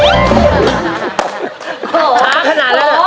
ขนาดแล้ว